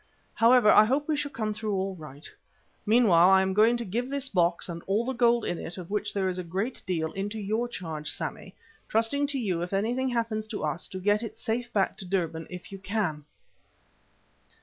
However, I hope we shall come through all right. Meanwhile, I am going to give this box and all the gold in it, of which there is a great deal, into your charge, Sammy, trusting to you, if anything happens to us, to get it safe back to Durban if you can."